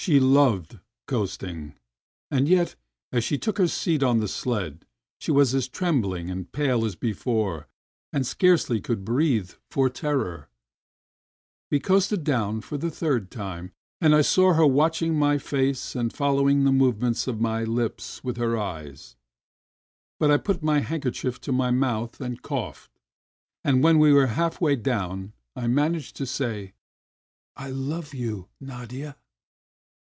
'*" She "loved" coasting, and yet, as she took her seat on the sled, she was as trembUng and pale as before and scarcely could breathe for terror ! We coasted down for the third time and I saw her watching my face and following the movements of my Ups with her eyes. But I put my handkerchief to my mouth and coughed, and when we were half way down I managed to say: "I love you, Nadia!"